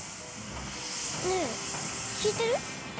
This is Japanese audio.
ねえきいてる？